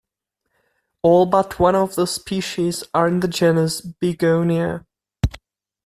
All but one of the species are in the genus "Begonia".